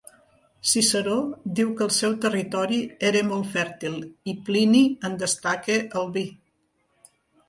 Ciceró diu que el seu territori era molt fèrtil i Plini en destaca el vi.